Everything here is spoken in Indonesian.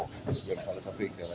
budianto kalau sampai ke dalam